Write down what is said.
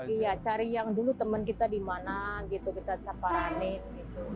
iya cari yang dulu temen kita di mana gitu kita caparanin gitu